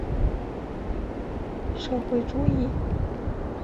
社会主义左翼党是奥地利的一个托洛茨基主义政党。